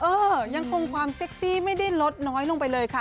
เออยังคงความเซ็กซี่ไม่ได้ลดน้อยลงไปเลยค่ะ